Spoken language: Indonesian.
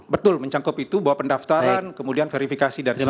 betul mencangkup itu bahwa pendaftaran kemudian verifikasi dan sebagainya